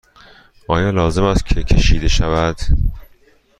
آیا لازم است که کشیده شود؟